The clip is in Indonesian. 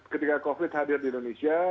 ketika covid hadir di indonesia